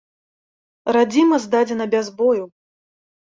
Радзіма здадзена без бою!